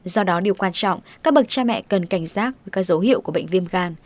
do đó điều quan trọng các bậc cha mẹ cần cảnh giác với các dấu hiệu của bệnh viêm gan